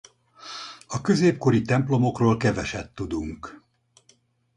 A középkori templomokról keveset tudunk.